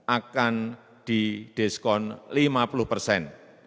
akan didiskon lima puluh persen